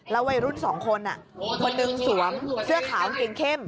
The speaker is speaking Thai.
แล้ววัยรุ่นสองคนอีกคนนึงสวมเสื้อขาวเกงเข้ม